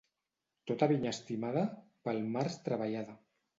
Tota vinya estimada, pel març treballada.